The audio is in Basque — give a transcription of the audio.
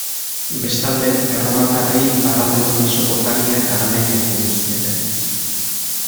Bestalde, erromatarrei iparraldeko Mesopotamia eta Armenia kendu zieten.